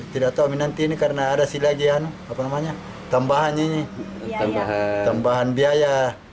tidak tahu nanti ini karena ada silagi ya apa namanya tambahannya ini tambahan biaya